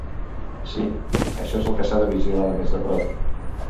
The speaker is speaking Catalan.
Si, això és el que s’ha de vigilar de més de prop.